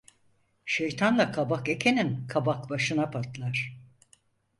Şeytanla kabak ekenin kabak başına patlar.